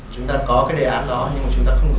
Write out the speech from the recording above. chúng ta có cái đề án đó nhưng mà chúng ta không có